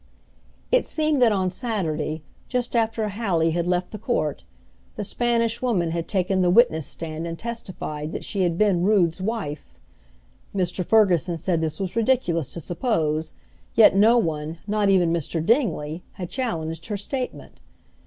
It seemed that on Saturday, just after Hallie had left the court, the Spanish Woman had taken the witness stand and testified that she had been Rood's wife. Mr. Ferguson said this was ridiculous to suppose, yet no one, not even Mr. Dingley, had challenged her statement.